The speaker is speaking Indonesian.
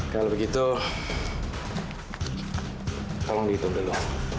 kalau begitu tolong dihitung dulu